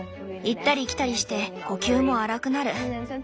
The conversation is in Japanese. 行ったり来たりして呼吸も荒くなる。